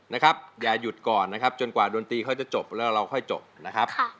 นะครับอย่าหยุดก่อนนะครับจนกว่าดนตรีเขาจะจบแล้วเราค่อยจบนะครับ